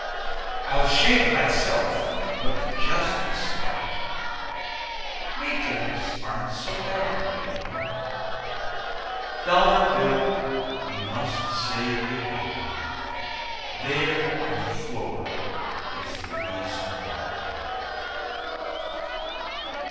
I'll shave myself and look just as smart. Makin's aren't so bad, you know. Dollar Bill, we must say good by; There on the floor is the Reason Why.